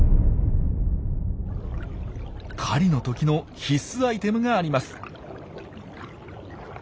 狩りの時の必須アイテムがあります。